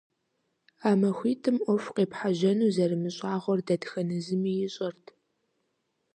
А махуитӀыми Ӏуэху къепхьэжьэну зэрымыщӀагъуэр дэтхэнэ зыми ищӀэрт.